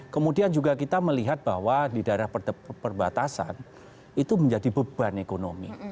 kemudian juga kita melihat bahwa di daerah perbatasan itu menjadi beban ekonomi